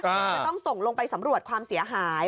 จะต้องส่งลงไปสำรวจความเสียหาย